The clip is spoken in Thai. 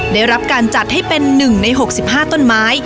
ได้รับการจัดให้เป็น๑ใน๖๕ต้นไม้